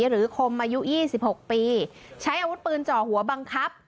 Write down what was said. คมอายุ๒๖ปีใช้อาวุธปืนเจาะหัวบังคับ